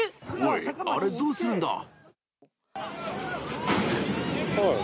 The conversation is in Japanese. おい、あれどうするんだ！